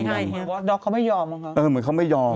เหมือนวาสดอกเขาไม่ยอม